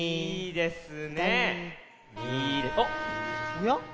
おや？